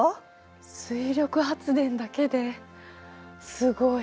水力発電だけですごい。